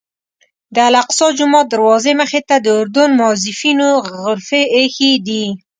د الاقصی جومات دروازې مخې ته د اردن موظفینو غرفې ایښي دي.